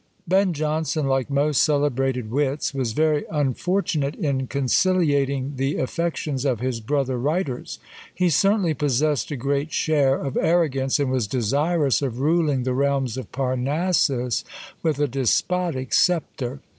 Ben Jonson, like most celebrated wits, was very unfortunate in conciliating the affections of his brother writers. He certainly possessed a great share of arrogance, and was desirous of ruling the realms of Parnassus with a despotic sceptre.